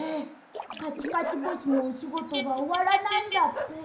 かちかち星のおしごとがおわらないんだって。